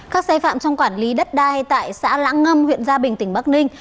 các sai phạm trong quản lý đất đai tại xã lãng ngâm huyện gia bình tỉnh bắc ninh